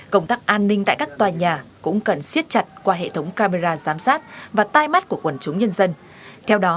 công tác an ninh tại các tòa nhà cũng cần siết chặt qua hệ thống cao